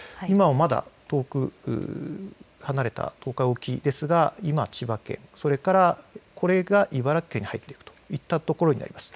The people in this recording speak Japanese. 今、遠く離れた東海沖ですが千葉県、これから茨城県に入っていくというところになります。